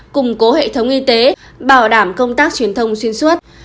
củng cố hệ thống y tế bảo đảm công tác truyền thông xuyên suốt